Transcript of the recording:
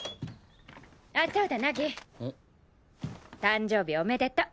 誕生日おめでと。